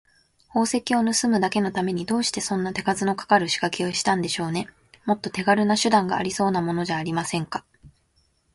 宝石をぬすむだけのために、どうしてそんな手数のかかるしかけをしたんでしょうね。もっと手がるな手段がありそうなものじゃありませんか。